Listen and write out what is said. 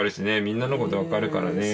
みんなのことわかるからね。